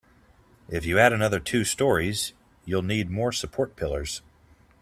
If you add another two storeys, you'll need more support pillars.